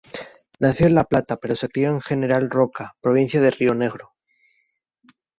Nació en La Plata pero se crio en General Roca, provincia de Río Negro.